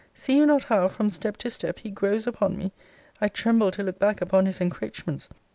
See you not how, from step to step, he grows upon me? I tremble to look back upon his encroachments.